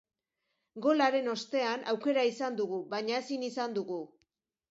Golaren ostean aukera izan dugu, baina ezin izan dugu.